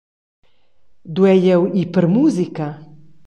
Duei jeu ir per musica?